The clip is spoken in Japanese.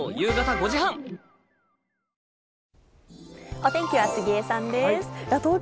お天気は杉江さんです。